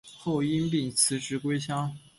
后因病辞职归乡。